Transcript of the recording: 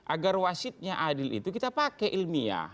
agar wasitnya adil itu kita pakai ilmiah